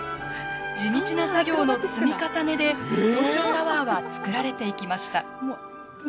地道な作業の積み重ねで東京タワーは造られていきました。